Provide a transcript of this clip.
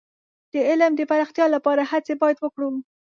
د علم د پراختیا لپاره هڅې باید وکړو.